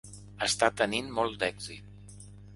Està tenint molt d'èxit.